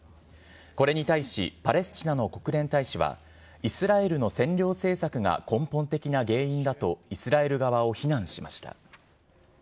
これに対しパレスチナの国連大使は、イスラエルの占領政策が根本的な原因だとイスラエル側を非難しました。